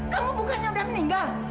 kamu bukannya udah meninggal